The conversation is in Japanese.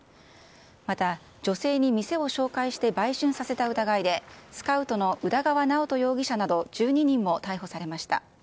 また、女性に店を紹介して、売春させた疑いで、スカウトの宇田川直人容疑者など、１２人も逮捕されました。